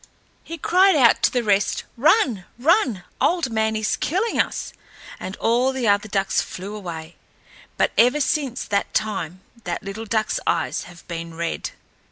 He cried out to the rest, "Run, run, Old Man is killing us"; and all the other ducks flew away, but ever since that time that little duck's eyes have been red.